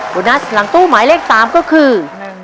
โบนัสหลังตู้หมายเลข๓ก็คือ